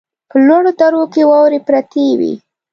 په لوړو درو کې واورې پرتې وې.